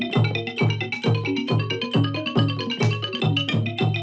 จอรรรรรรรสวัสดีครับหล่า